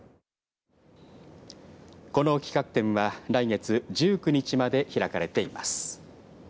この企画展は来月１９日まで開かれています。